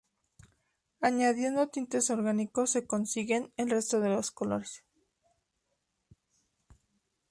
Añadiendo tintes orgánicos se consiguen el resto de colores.